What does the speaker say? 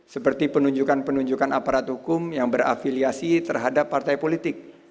seperti penunjukan penunjukan aparat hukum yang berafiliasi terhadap partai politik